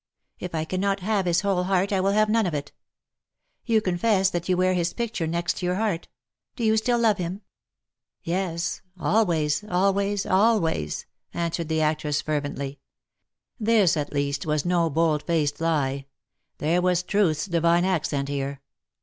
If I cannot have his whole heart I will have none of it. You confess that you wear his picture next your heart. Do you still love him?^^ "Yes — always — always — always/^ answered the actress, fervently. This at least was no bold faced lie — there was truth's divine 'accent here.